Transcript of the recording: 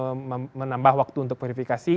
tidak mau menambah waktu untuk verifikasi